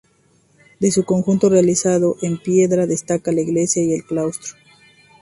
De su conjunto, realizado en piedra, destaca la iglesia y el claustro.